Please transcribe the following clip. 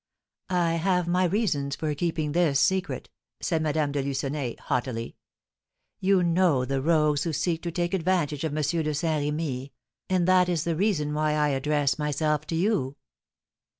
"I have my reasons for keeping this secret," said Madame de Lucenay, haughtily. "You know the rogues who seek to take advantage of M. de Saint Remy, and that is the reason why I address myself to you."